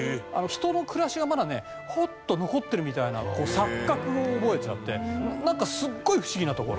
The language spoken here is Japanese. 人の暮らしがまだねほっと残ってるみたいな錯覚を覚えちゃってなんかすっごい不思議な所。